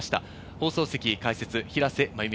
放送席の解説・平瀬真由美